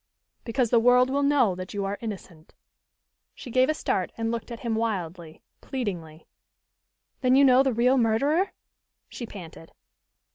"Because the world will know that you are innocent." She gave a start and looked at him wildly, pleadingly. "Then you know the real murderer?" she panted.